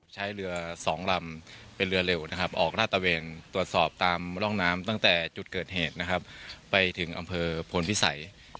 ใช้เรือสองลำเป็นเรือเร็วออกหน้าตะเวนตรวจสอบตามล่องน้ำจุดเกิดเหตุไปถึงอำเภอภนพิสัย